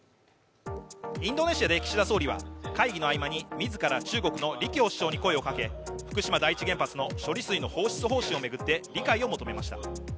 インドネシアで岸田総理は会議の合間に自ら中国の李強首相に声をかけ、福島第一原発の処理水の放出方針を巡って理解を求めました。